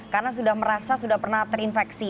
karena sudah merasa sudah pernah terinfeksi